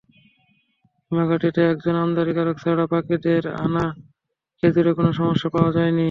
হিমাগারটিতে একজন আমদানিকারক ছাড়া বাকিদের আনা খেজুরে কোনো সমস্যা পাওয়া যায়নি।